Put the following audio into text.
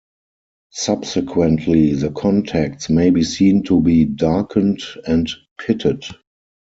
Subsequently, the contacts may be seen to be darkened and pitted.